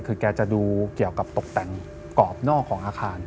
คือแกจะดูเกี่ยวกับตกแต่งกรอบนอกของอาคาร